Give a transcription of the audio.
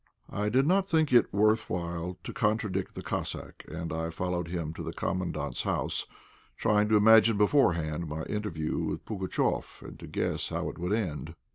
I did not think it worth while to contradict the Cossack, and I followed him into the Commandant's house, trying to imagine beforehand my interview with Pugatchéf, and to guess how it would end.